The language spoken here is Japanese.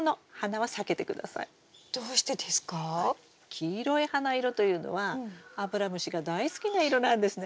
黄色い花色というのはアブラムシが大好きな色なんですね。